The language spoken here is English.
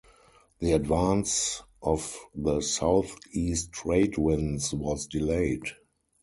The advance of the southeast trade winds was delayed.